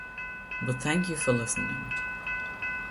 But thank you for listening.